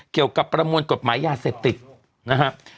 เกี่ยวกับประมวลกฎหมายยาเสพติดนะครับ